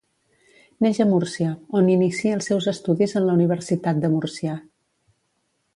Neix a Múrcia, on inicia els seus estudis en la Universitat de Múrcia.